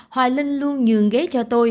hoài linh luôn nhường ghế cho tôi